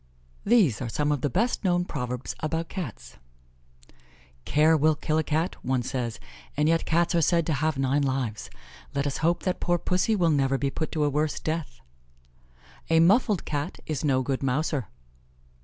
_ These are some of the best known Proverbs about Cats: "Care will kill a Cat," one says, and yet Cats are said to have nine lives. Let us hope that poor Pussy will never be put to a worse death. "A muffled Cat is no good mouser."